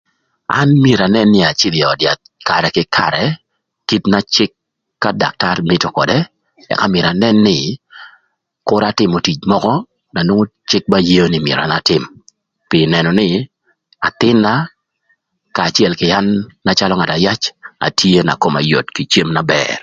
An myero anën nï acïdhö ï öd yath karë kï karë kit na cïk ka daktar mïtö ködë. Ëka myero anën nï, küra atïmö tic mökö na nwongo cïk ba yeo nï myero an atïm, pï nënö nï athïn-na kanya acël kï an na calö ngat na yac atye kï koma na yot kï cem na bër